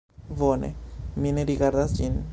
Bone, mi ne rigardas ĝin